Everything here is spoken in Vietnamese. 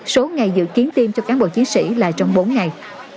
số ngày dự kiến tiêm cho cán bộ chiến sĩ là trong bốn ngày